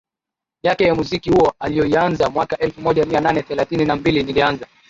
yake ya Muziki huo aliyoianza mwaka elfu moja mia nane thelathini na mbili Nilianza